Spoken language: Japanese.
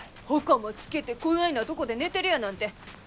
はかまつけてこないなとこで寝てるやなんて